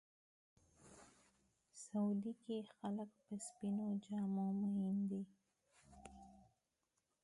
سعودي کې خلک په سپینو جامو مین دي.